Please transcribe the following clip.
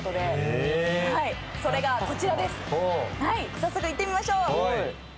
早速行ってみましょう。